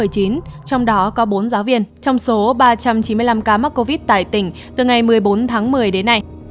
trong đó có bốn giáo viên trong số ba trăm chín mươi năm ca mắc covid tại tỉnh từ ngày một mươi bốn tháng một mươi đến nay